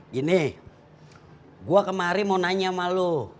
gini gue kemarin mau nanya sama lo